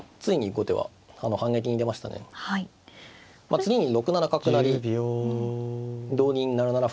次に６七角成同銀７七歩